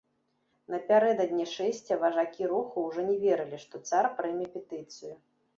Напярэдадні шэсця важакі руху ўжо не верылі, што цар прыме петыцыю.